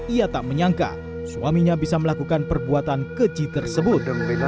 ia tak menyangka suaminya bisa melakukan perbuatan keji tersebut